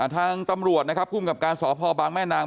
ทางตำรวจนะครับภูมิกับการสพบางแม่นาง